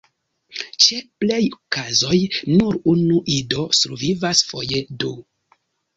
Ĉe plej kazoj nur unu ido survivas, foje du.